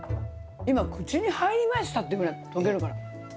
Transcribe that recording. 「今口に入りました？」ってぐらい溶けるから。